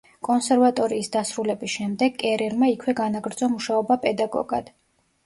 კონსერვატორიის დასრულების შემდეგ კერერმა იქვე განაგრძო მუშაობა პედაგოგად.